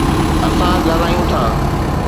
اسان ڳالهايون ٿا.